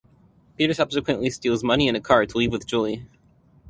Peter subsequently steals money and a car to leave with Julie.